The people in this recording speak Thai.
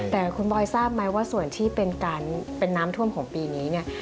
แต่คุณบอยทราบไหมว่าส่วนที่เป็นน้ำท่วมของปีนี้